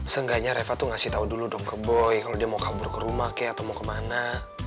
seenggaknya reva tuh ngasih tahu dulu dong ke boy kalau dia mau kabur ke rumah kek atau mau kemana